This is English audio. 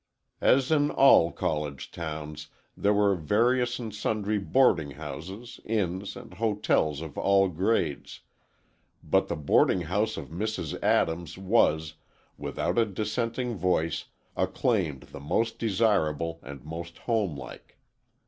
As in all college towns, there were various and sundry boarding houses, inns and hotels of all grades, but the boarding house of Mrs. Adams was, without a dissenting voice, acclaimed the most desirable and most homelike.